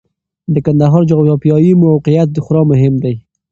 د کندهار جغرافیايي موقعیت خورا مهم دی.